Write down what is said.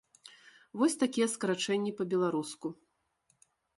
Вось такія скарачэнні па-беларуску.